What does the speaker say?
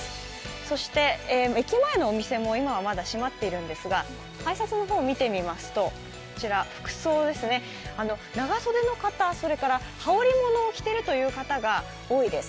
そして駅前のお店も、今はまだ閉まっているんですが改札のほうを見てみますと、服装ですね、長袖の方、羽織物を着ている方が多いです。